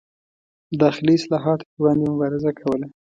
داخلي اصلاحاتو پر وړاندې مبارزه کوله.